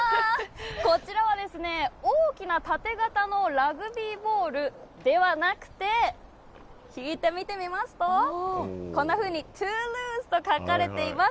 こちらは、大きな縦型のラグビーボールではなくて、引いて見てみますと、こんなふうにトゥールーズと書かれています。